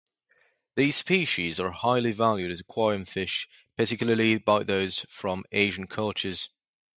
These species are highly valued as aquarium fish, particularly by those from Asian cultures.